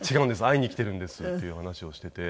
「会いに来ているんです」っていう話をしていて。